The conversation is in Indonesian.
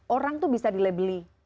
orang tuh bisa dilebeli